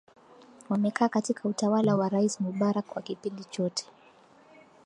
wamekaa katika utawala wa rais mubarak kwa kipindi chote